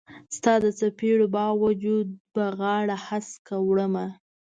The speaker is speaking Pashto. ستا د څیپړو با وجود به غاړه هسکه وړمه